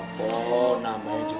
ibu selamat malam